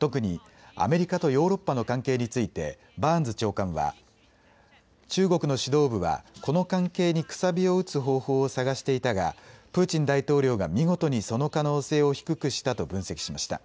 特にアメリカとヨーロッパの関係についてバーンズ長官は中国の指導部はこの関係にくさびを打つ方法を探していたがプーチン大統領が見事にその可能性を低くしたと分析しました。